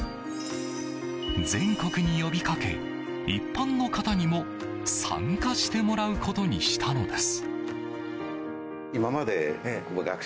全国に呼びかけ、一般の方にも参加してもらうことにしたのです。